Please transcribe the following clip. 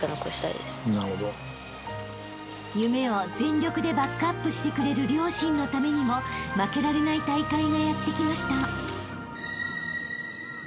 ［夢を全力でバックアップしてくれる両親のためにも負けられない大会がやって来ました］